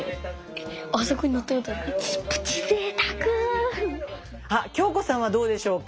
あのさあ京子さんはどうでしょうか？